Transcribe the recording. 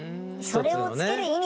それをつける意味でも。